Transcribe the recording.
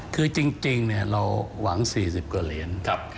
คือจริงเราหวัง๔๐กว่าเหรียญ